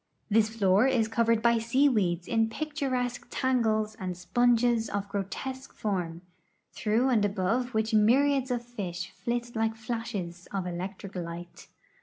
This floor is covered by sea weeds in picturesque tangles and sponges of grotesque form, through and above which myriads of fish flit like flashes of electric light.